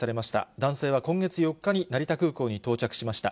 男性は今月４日に成田空港に到着しました。